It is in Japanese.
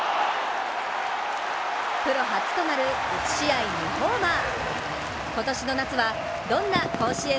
プロ初となる、１試合２ホーマー。